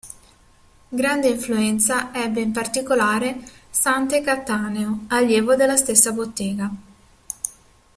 Grande influenza ebbe in particolare Sante Cattaneo, allievo della stessa bottega.